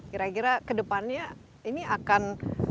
kira kira kedepannya ini akan